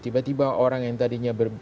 tiba tiba orang yang tadinya